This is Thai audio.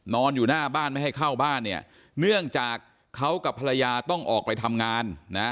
อยู่หน้าบ้านไม่ให้เข้าบ้านเนี่ยเนื่องจากเขากับภรรยาต้องออกไปทำงานนะ